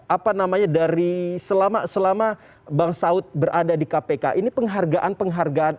apa namanya dari selama selama bang saud berada di kpk ini penghargaan penghargaan